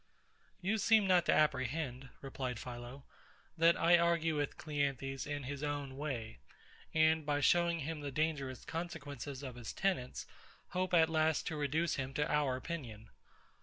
You seem not to apprehend, replied PHILO, that I argue with CLEANTHES in his own way; and, by showing him the dangerous consequences of his tenets, hope at last to reduce him to our opinion.